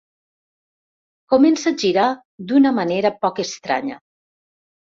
Comença a girar d'una manera poc estranya.